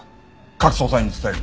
各捜査員に伝える。